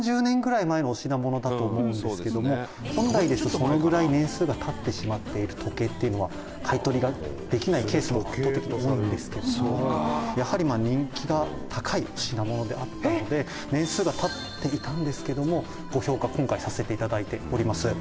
「本来ですとそのぐらい年数が経ってしまっている時計っていうのは買い取りができないケースも多いんですけどやはり人気が高いお品物であったので年数が経っていたんですけどもご評価、今回させていただいております」